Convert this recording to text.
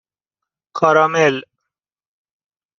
کارامل